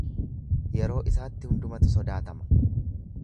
Yeroo isaatti hundumatu sodaatama.